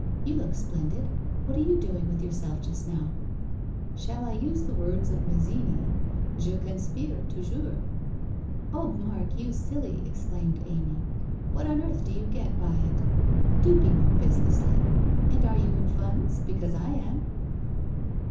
You look splendid. What are you doing with yourself just now ?' 1 Shall I use the words of Mazzini ? Je conspire ton jours' 'Oh, Mark, you silly!' exclaimed Amy. 'What on earth do you get by it? Do be more businesslike. And are you in funds? Because I am.'